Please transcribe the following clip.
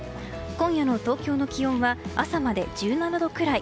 今夜の東京の気温は朝まで１７度くらい。